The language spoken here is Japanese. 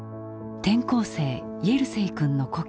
転校生イェルセイ君の故郷